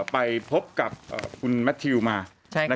ไปพบกับคุณแมททิวมาใช่ครับ